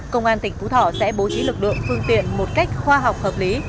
công an tỉnh phú thọ sẽ bố trí lực lượng phương tiện một cách khoa học hợp lý